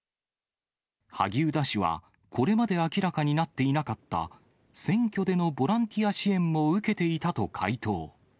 萩生田氏は、これまで明らかになっていなかった、選挙でのボランティア支援も受けていたと回答。